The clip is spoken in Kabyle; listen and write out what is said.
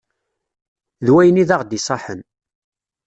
D wayen i d aɣ d-iṣaḥen.